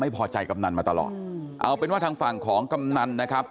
ไม่พอใจกำนันมาตลอดเอาเป็นว่าทางฝั่งของกำนันนะครับ